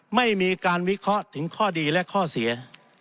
ไม่มีการวิเคราะห์ถึงข้อดีและข้อเสีย